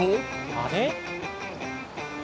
あれ？